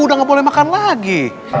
udah gak boleh makan lagi